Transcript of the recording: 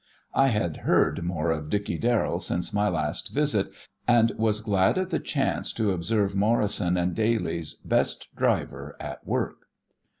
I had heard more of Dickey Darrell since my last visit, and was glad of the chance to observe Morrison & Daly's best "driver" at work.